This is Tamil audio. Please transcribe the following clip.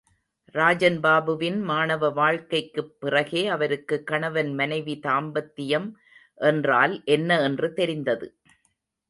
ராஜன்பாபுவின் மாணவ வாழ்க்கைக்குப் பிறகே அவருக்கு கணவன் மனைவி தாம்பத்தியம் என்றால் என்ன என்று தெரிந்தது.